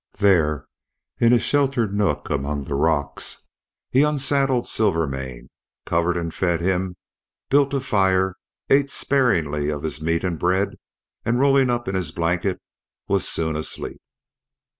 There, in a sheltered nook among the rocks, he unsaddled Silvermane, covered and fed him, built a fire, ate sparingly of his meat and bread, and rolling up in his blanket, was soon asleep.